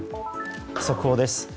速報です。